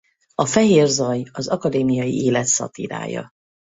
A Fehér zaj az akadémiai élet szatírája.